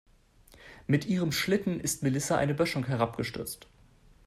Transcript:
Mit ihrem Schlitten ist Melissa eine Böschung herabgestürzt.